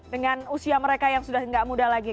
dengan usia mereka yang sudah tidak muda lagi